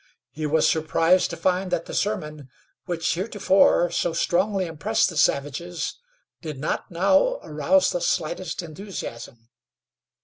He was surprised to find that the sermon, which heretofore so strongly impressed the savages, did not now arouse the slightest enthusiasm.